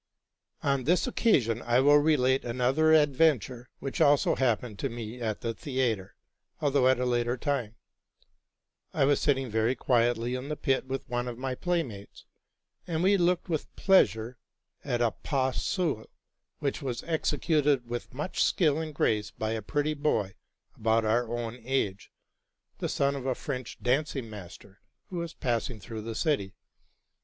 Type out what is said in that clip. On this occasion I will relate another adventure which also happened to me at the theatre, although at a later time. If was sitting very quietly in the pit with one of my playmates ; and we looked with pleasure at a pas seul, which was executed with much skill and grace by a pretty boy about our own age, —the son of a French dancing master, who was passing through the city.